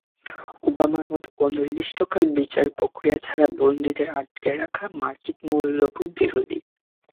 ওবামার মতে, অনির্দিষ্টকাল বিচারের প্রক্রিয়া ছাড়া বন্দীদের আটকে রাখা মার্কিন মূল্যবোধবিরোধী।